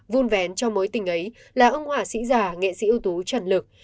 vun vén trong mối tình ấy là ông hỏa sĩ già nghệ sĩ ưu tú trần lực